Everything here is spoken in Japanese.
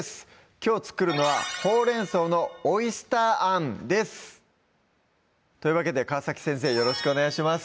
きょう作るのは「ほうれん草のオイスターあん」ですというわけで川先生よろしくお願いします